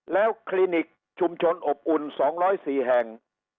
แล้วคลินิกชุมชนอบอุ่น๒๐๔แห่ง